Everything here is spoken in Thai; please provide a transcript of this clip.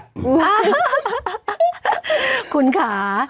อ่าคุณขา